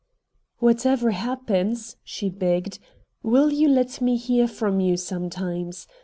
"Whatever happens," she begged, "will you let me hear from you sometimes?